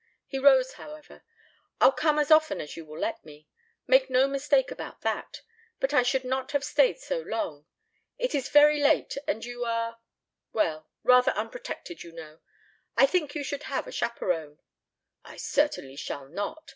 He rose, however. "I'll come as often as you will let me. Make no mistake about that. But I should not have stayed so long. It is very late, and you are well, rather unprotected, you know. I think you should have a chaperon." "I certainly shall not.